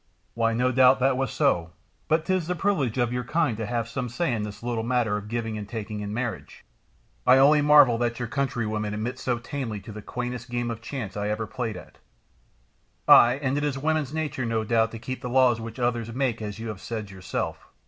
"Why, no doubt that was so, but 'tis the privilege of your kind to have some say in this little matter of giving and taking in marriage. I only marvel that your countrywomen submit so tamely to the quaintest game of chance I ever played at. "Ay, and it is women's nature no doubt to keep the laws which others make, as you have said yourself.